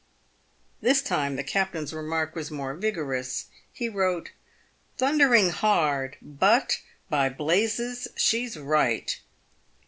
This time the captain's remark was more vigorous. He wrote :" Thundering hard ; but by blazes she's right